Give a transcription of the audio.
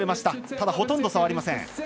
ただ、ほとんど差はありません。